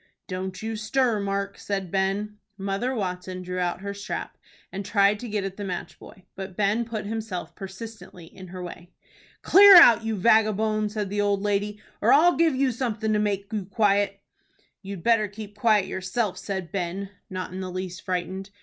"Don't you stir, Mark," said Ben. Mother Watson drew out her strap, and tried to get at the match boy, but Ben put himself persistently in her way. "Clear out, you vagabone!" said the old lady, "or I'll give you something to make you quiet." "You'd better keep quiet yourself," said Ben, not in the least frightened.